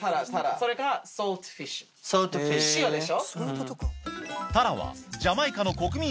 それがソルトフィッシュ塩でしょ。